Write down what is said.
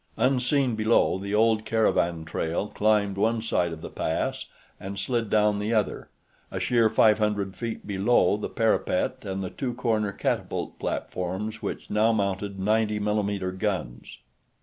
Unseen below, the old caravan trail climbed one side of the pass and slid down the other, a sheer five hundred feet below the parapet and the two corner catapult platforms which now mounted 90 mm guns.